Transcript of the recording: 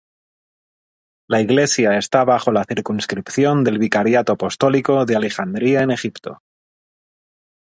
La iglesia esta bajo la circunscripción del Vicariato Apostólico de Alejandría en Egipto.